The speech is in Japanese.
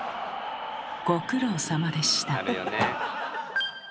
ご苦労さまでした。